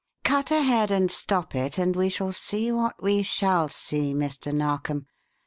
"Cut ahead and stop it and we shall see what we shall see, Mr. Narkom.